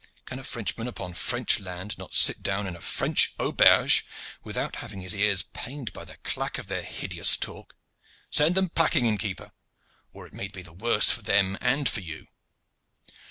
Can a Frenchman upon French land not sit down in a French auberge without having his ears pained by the clack of their hideous talk? Send them packing, inn keeper, or it may be the worse for them and for you."